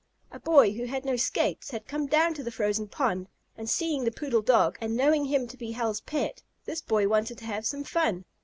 A boy who had no skates had come down to the frozen pond, and, seeing the poodle dog, and knowing him to be Hal's pet, this boy wanted to have some fun.